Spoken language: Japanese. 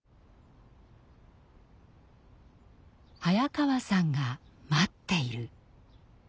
「早川さんが待っている」。